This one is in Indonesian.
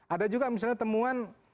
ada juga misalnya temuan